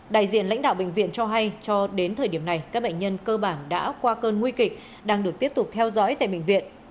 đại diện lãnh đạo bệnh viện cho hay cho đến thời điểm này các bệnh nhân cơ bản đã qua cơn nguy kịch đang được tiếp tục theo dõi tại bệnh viện